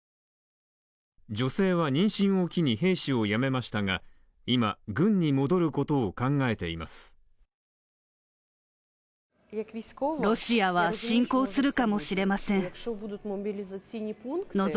女性は妊娠を機に兵士をやめましたが、今、軍に戻ることを考えています。